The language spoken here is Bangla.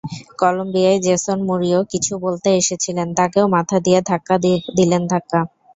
কলম্বিয়ার জেসন মুরিয়ো কিছু বলতে এসেছিলেন, তাঁকেও মাথা দিয়ে দিলেন ধাক্কা।